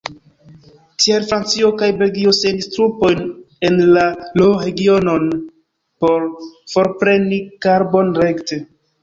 Tial Francio kaj Belgio sendis trupojn en la Ruhr-regionon por forpreni karbon rekte.